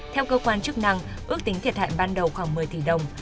theo cơ quan chức năng ước tính thiệt hại ban đầu khoảng một mươi tỷ đồng